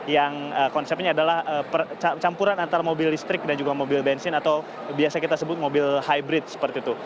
yang konsepnya adalah campuran antara mobil listrik dan juga mobil bensin atau biasa kita sebut mobil hybrid seperti itu